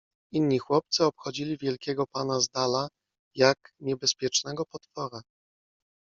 Inni chłopcy obchodzili wielkiego pana z dala, jak niebezpiecznego potwora.